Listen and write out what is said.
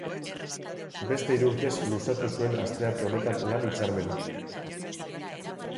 Beste hiru urtez luzatu zuen astearte honetan lan hitzarmena.